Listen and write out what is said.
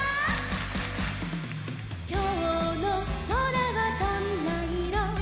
「きょうのそらはどんないろ？」